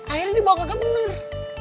akhirnya dibawa ke gabner